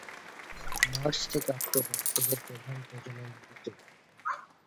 March থেকে October এদের প্রধান প্রজনন ঋতু।